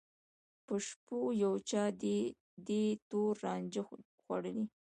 په شپو یو چا دي تور رانجه خوړلي